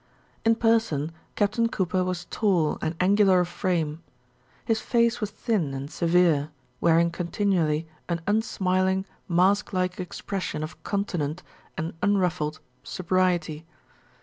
In person, Captain Cooper was tall and angular of frame. His face was thin and severe, wearing continually an unsmiling, mask like expression of continent and unruffled sobriety.